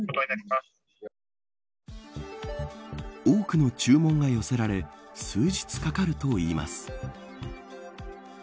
多くの注文が寄せられ数日かかるといいます。